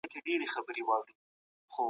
"بهار سمسور افغانستان" چینل سره په مرکه کي